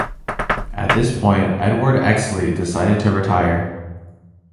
At this point Edward Exley decided to retire.